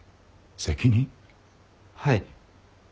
はい。